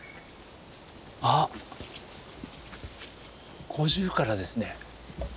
あっゴジュウカラですね。